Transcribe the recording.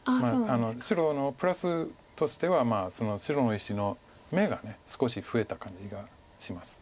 白のプラスとしては白の石の眼が少し増えた感じがします。